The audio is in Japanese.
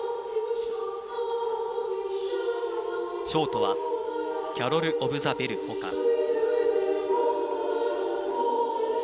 ショートは「キャロル・オブ・ザ・ベル」ほか。